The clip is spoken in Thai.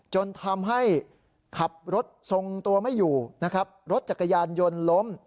จนทำให้ขับรถทรงตัวไม่อยู่นะครับรถจักรยานยนต์ล้ม